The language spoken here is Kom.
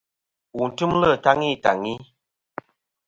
Wu tɨmlɨ taŋi taŋi.